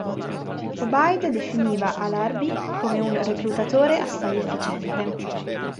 ʿObayd definiva al-Ḥarbī come un "reclutatore assai efficiente".